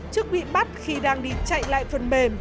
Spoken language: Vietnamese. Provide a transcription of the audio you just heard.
trước bị bắt khi đang đi chạy lại phần mềm